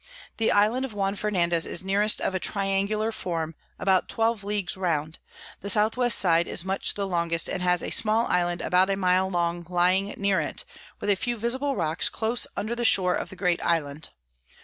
The Island of Juan Fernandez is nearest of a triangular form, about 12 Leagues round; the South west side is much the longest, and has a small Island about a mile long lying near it, with a few visible Rocks close under the shore of the great Island.